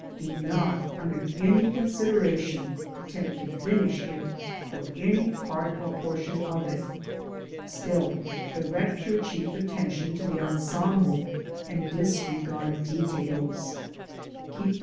Do not under any consideration attempt to finish it or any part or portion of it. Still direct your chief attention to the ensemble, and disregard details. Kee]^thQ.